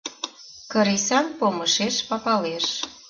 Кырисан помышеш папалеш.